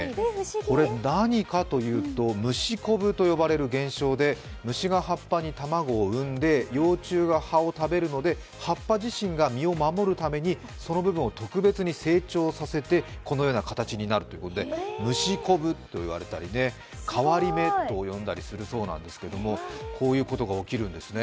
これ何かというと虫こぶといわれる現象で虫が葉っぱに卵を産んで幼虫が葉っぱを守るので葉っぱ自身が身を守るためにその身を特別に成長させてこのような形になるということで、虫こぶといわれたり、かわり芽と呼んだりするそうなんですけど、こういうことが起きるんですね。